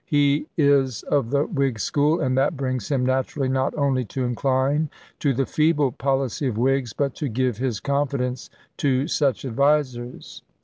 He is of the Whig school, and that brings him naturally not only to incline to the feeble policy of Whigs, but to give his confidence to such advisers.